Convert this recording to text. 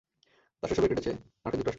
তার শৈশবের কেটেছে মার্কিন যুক্তরাষ্ট্রে।